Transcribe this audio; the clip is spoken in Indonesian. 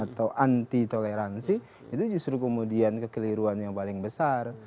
atau anti toleransi itu justru kemudian kekeliruan yang paling besar